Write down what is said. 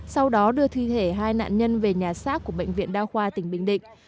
sau đó đưa thi thể hai nạn nhân về nhà xác của bệnh viện đa khoa tỉnh bình định